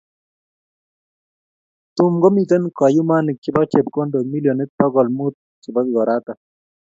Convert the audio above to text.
tum komitei kayumanik chebo chepkomndok million bokol muut chebo Ikorata